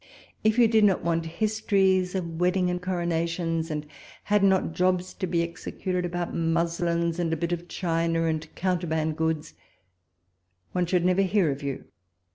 If you did not want histories of wedding and corona tions, and had not jobs to be executed about muslins, and a bit of china, and counterband goods, one should never hear of you.